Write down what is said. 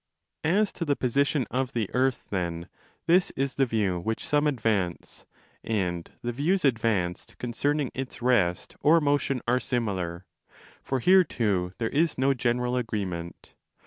As to the position of the earth, then, this is the view which some advance, and the views advanced concerning its vest or motion are similar. For here too there is no general agreement.